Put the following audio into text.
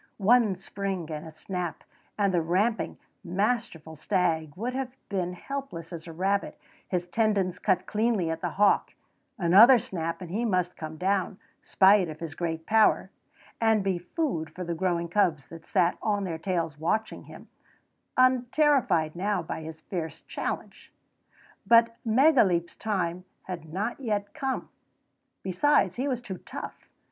One spring and a snap, and the ramping, masterful stag would have been helpless as a rabbit, his tendons cut cleanly at the hock; another snap and he must come down, spite of his great power, and be food for the growing cubs that sat on their tails watching him, unterrified now by his fierce challenge. But Megaleep's time had not yet come; besides, he was too tough.